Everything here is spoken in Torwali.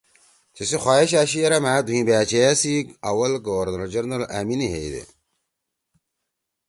تیسی خواہش أشی یِرأ مھأ دھوئں بأچیئا سی اول گورنر جنرل أمینے ہیئی دے